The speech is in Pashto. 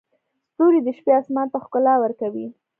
ستوري د شپې اسمان ته ښکلا ورکوي.